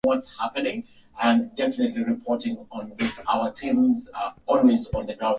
Watanzania wanaelewa kuhusu uchumi na maisha hutegemea sana mazingira bora